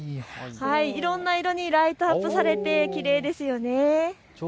いろんな色にライトアップされてきれいですよね。